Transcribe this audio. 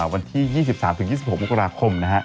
วันที่๒๓๒๖มกราคม